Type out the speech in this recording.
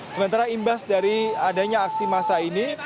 sementara imbas dari adanya aksi massa ini